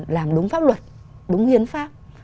làm đúng pháp luật đúng hiến pháp